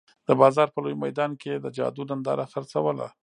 د بازار په لوی میدان کې یې د جادو ننداره خرڅوله.